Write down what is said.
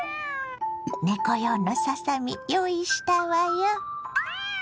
猫用のささみ用意したわよ。